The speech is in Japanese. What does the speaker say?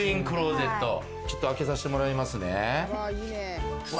ちょっと開けさせてもらいますね。